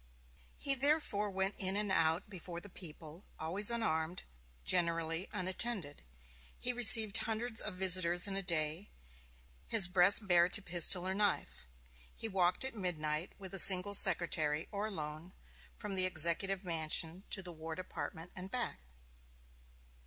He therefore went in and out before the people, always unarmed, generally unattended. He received hundreds of visitors in a day, his breast bare to pistol or knife. He walked at midnight, with a single secretary, or alone, from the Executive Mansion to the War Department and back.